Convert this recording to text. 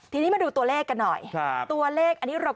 ไปดูตัวเลขกันหน่อยตัวเรียกอันที่เรา